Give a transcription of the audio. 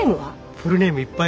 フルネームいっぱいある。